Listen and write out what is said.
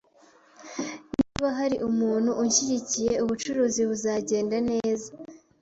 Niba hari umuntu unshyigikiye, ubucuruzi buzagenda neza.